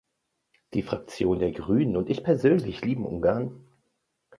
Die Fraktion der Grünen und ich persönlich lieben Ungarn.